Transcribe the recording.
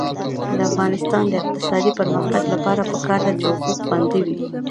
د افغانستان د اقتصادي پرمختګ لپاره پکار ده چې حقوق خوندي وي.